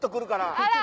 あら。